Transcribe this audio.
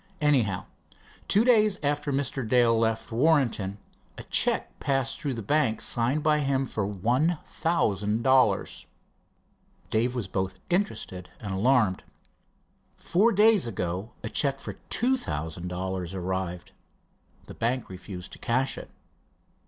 "Anyhow, two days alter Mr. Dale left Warrenton, a check passed through the bank signed by him for one thousand dollars." Dave was both interested and alarmed. "Four days ago a check for two thousand dollars arrived. The bank refused to cash it."